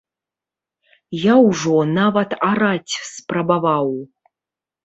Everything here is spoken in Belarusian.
Я ўжо нават араць спрабаваў.